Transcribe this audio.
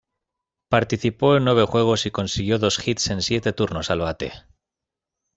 Participó en nueve juegos y consiguió dos hits en siete turnos al bate.